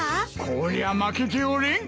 こりゃ負けておれん！